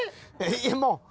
いやもう。